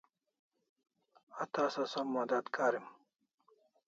A tasa som madat karim